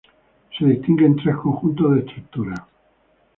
Se distinguen tres conjuntos de estructuras.